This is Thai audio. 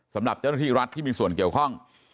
สำหรับเจ้าหน้าที่รัฐที่มีส่วนเกี่ยวข้อง